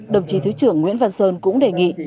đồng chí thứ trưởng nguyễn văn sơn cũng đề nghị